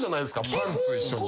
パンツ一緒に。